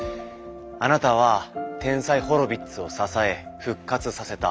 あなたは天才ホロヴィッツを支え復活させた。